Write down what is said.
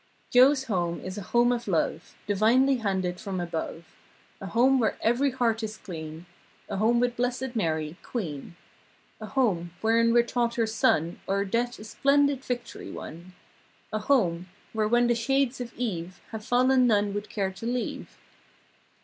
Joe's home is a home of love Divinely handed from above. A home where every heart is clean. A home with Blessed Mary, queen. A home, wherein we're taught her Son O'er Death a splendid victory won. A home, where, when the shades of eve Have fallen none would care to leave.